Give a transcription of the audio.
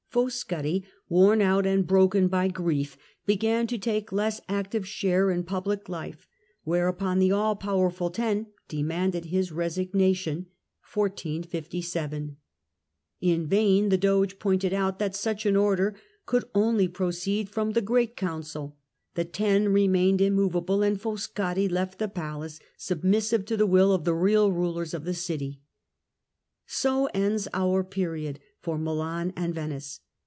Foscari, worn out and broken by grief, began to take less active share in public life, whereupon the all powerful Ten demanded his resignation. In vain the Deposition Doge pointed out that such an order could only proceed by the from the Great Council, the Ten remained immovable, Ten"i457^ and Foscari left the palace submissive to the will of the real rulers of the city. So ends our period for Milan and Venice.